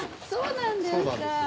そうなんですか。